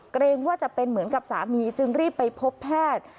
เกรงว่าจะเป็นเหมือนกับสามีจึงรีบไปพบแพทย์